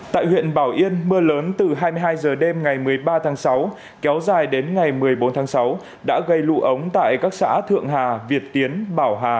tại huyện bảo yên mưa lớn từ hai mươi hai h đêm ngày một mươi ba tháng sáu kéo dài đến ngày một mươi bốn tháng sáu đã gây lũ ống tại các xã thượng hà việt tiến bảo hà